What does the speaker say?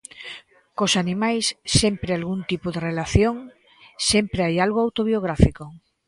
Cos animais sempre algún tipo de relación, sempre hai algo autobiográfico.